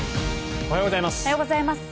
おはようございます。